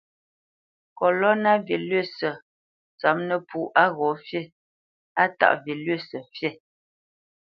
Kolona vilʉsǝ tsópnǝpú á ghǒ fí, á taʼ vilʉsǝ fǐ.